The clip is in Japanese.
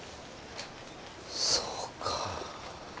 そうか。